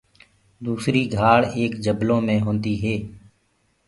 دُسري گھآݪ ایک جبلو مي هوندي هي۔